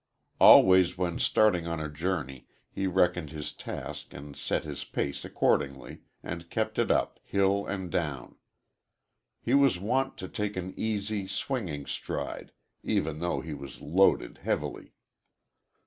Always when starting on a journey he reckoned his task and set his pace accordingly and kept it up hill and down. He was wont to take an easy, swinging stride even though he was loaded heavily.